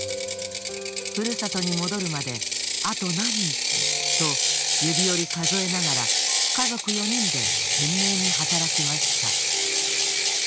故郷に戻るまであと何日と指折り数えながら家族４人で懸命に働きました。